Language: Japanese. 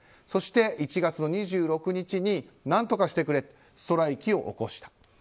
そして１月２６日に何とかしてくれとストライキを起こした。